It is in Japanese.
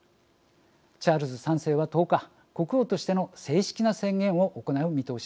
チャールズ３世は１０日国王としての正式な宣言を行う見通しです。